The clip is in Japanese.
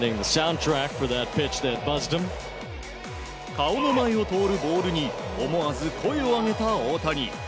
顔の前を通るボールに思わず声を上げた大谷。